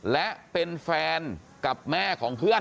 และเป็นแฟนกับแม่ของเพื่อน